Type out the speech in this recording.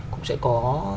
cũng sẽ có